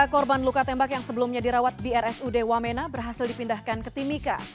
tiga korban luka tembak yang sebelumnya dirawat di rsud wamena berhasil dipindahkan ke timika